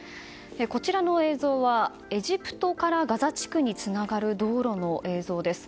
こちらの映像はエジプトからガザ地区につながる道路の映像です。